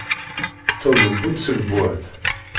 Tom d bu tṣelbuɛt.